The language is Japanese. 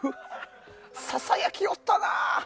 ささやきおったな。